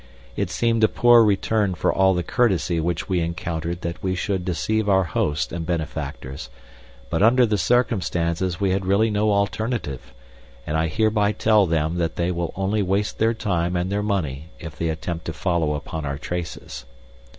It seemed a poor return for all the courtesy which we encountered that we should deceive our hosts and benefactors, but under the circumstances we had really no alternative, and I hereby tell them that they will only waste their time and their money if they attempt to follow upon our traces.